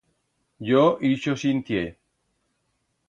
Yo ixo sintié.